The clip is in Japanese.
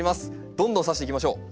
どんどん挿していきましょう。